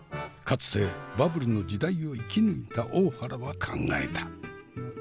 かつてバブルの時代を生き抜いた大原は考えた。